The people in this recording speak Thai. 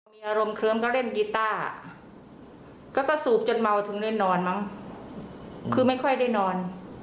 มีอารมณ์เคลิ้มก็เล่นกีต้าก็ต้องสูบจนเมาถึงได้นอนมั้งคือไม่ค่อยได้นอน